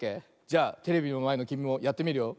じゃあテレビのまえのきみもやってみるよ。